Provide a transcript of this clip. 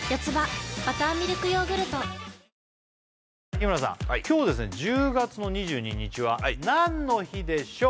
日村さん今日１０月の２２日は何の日でしょう？